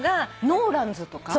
ノーランズとか？